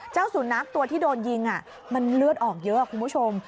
สุนัขตัวที่โดนยิงมันเลือดออกเยอะคุณผู้ชม